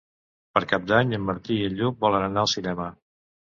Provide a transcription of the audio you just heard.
Per Cap d'Any en Martí i en Lluc volen anar al cinema.